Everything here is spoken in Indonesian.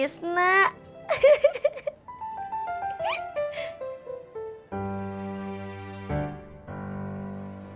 sekarang usus dimana